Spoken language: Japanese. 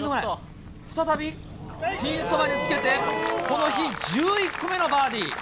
再びピンそばにつけて、この日１１個目のバーディー。